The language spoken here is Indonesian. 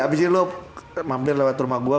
abis ini lo mampir lewat rumah gue